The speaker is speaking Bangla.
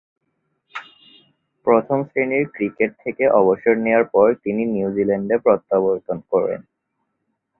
প্রথম-শ্রেণীর ক্রিকেট থেকে অবসর নেয়ার পর তিনি নিউজিল্যান্ডে প্রত্যাবর্তন করেন।